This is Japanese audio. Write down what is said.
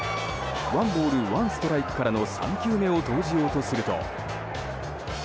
ワンボールワンストライクからの３球目を投じようとすると。